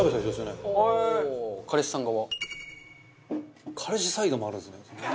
中丸：彼氏さん側。